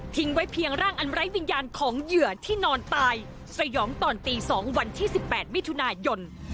ไว้เพียงร่างอันไร้วิญญาณของเหยื่อที่นอนตายสยองตอนตี๒วันที่๑๘มิถุนายน